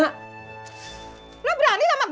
duduknya lu berani sama gue enggaknya